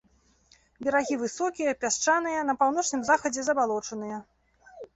Берагі высокія, пясчаныя, на паўночным захадзе забалочаныя.